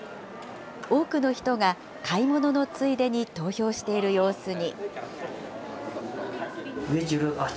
多くの人が買い物のついでに投票している様子に。